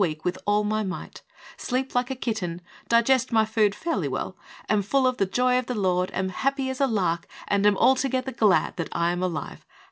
81 week with all my might, sleep like a kitten, digest my food fairly well, am full of the joy of the Lord, am happy as a lark and am altogether glad that I am alive.